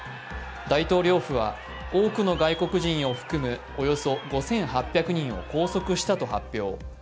大統領府は多くの外国人を含むおよそ５８００人を拘束したと発表。